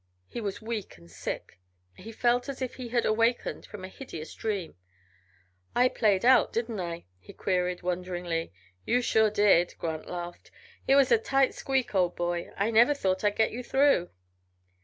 He was weak and sick; he felt as if he had awakened from a hideous dream. "I played out, didn't I?" he queried, wonderingly. "You sure did," Grant laughed. "It was a tight squeak, old boy. I never thought I'd get you through."